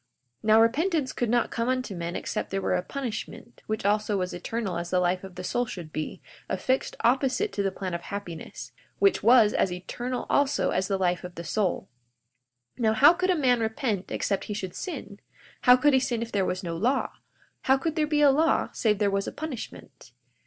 42:16 Now, repentance could not come unto men except there were a punishment, which also was eternal as the life of the soul should be, affixed opposite to the plan of happiness, which was as eternal also as the life of the soul. 42:17 Now, how could a man repent except he should sin? How could he sin if there was no law? How could there be a law save there was a punishment?